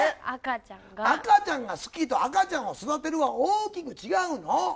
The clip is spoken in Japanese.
赤ちゃんが好きと赤ちゃんを育てるは大きく違うの。